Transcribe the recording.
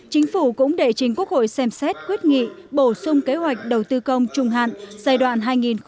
chính phủ cũng đệ chính quốc hội xem xét quyết nghị bổ sung kế hoạch đầu tư công trung hạn giai đoạn hai nghìn một mươi sáu hai nghìn hai mươi